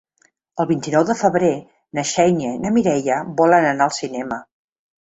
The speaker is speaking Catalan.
El vint-i-nou de febrer na Xènia i na Mireia volen anar al cinema.